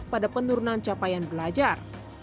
ini juga berdampak pada penurunan capaian belajar